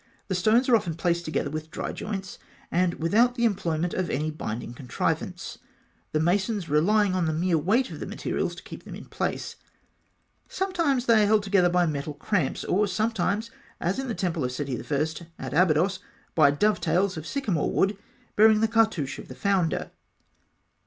The stones are often placed together with dry joints, and without the employment of any binding contrivance, the masons relying on the mere weight of the materials to keep them in place. Sometimes they are held together by metal cramps, or sometimes as in the temple of Seti I., at Abydos by dovetails of sycamore wood bearing the cartouche of the founder.